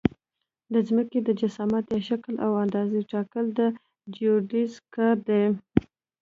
د ځمکې د جسامت یا شکل او اندازې ټاکل د جیودیزي کار دی